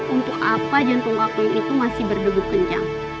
untuk apa jantung aku itu masih berdebu kencang